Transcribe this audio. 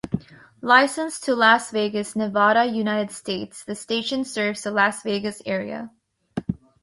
Licensed to Las Vegas, Nevada, United States, the station serves the Las Vegas area.